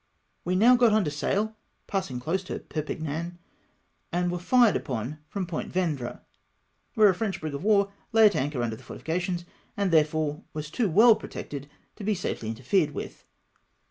We now got under sail, passing close to Perpignan, and were fired upon from Point Vendre, where a French brig of war lay at anchor under the fortification, and therefore was too weU protected to be safely interfered with.